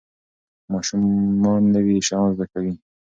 ماشومان نوي شیان زده کوي.